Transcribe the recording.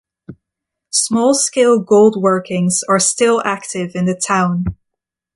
Small-scale gold workings are still active in the town.